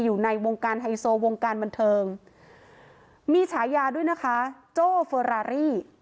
อยู่ในวงการไฮโซวงการบันเทิงมีฉายาด้วยนะคะโจ้เฟอรารี่